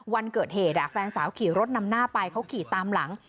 วันเกิดเหตุแฟนสาวขี่รถนำหน้าไปเขาขี่ตามหลัง